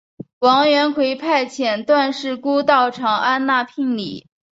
王元逵派遣段氏姑到长安纳聘礼。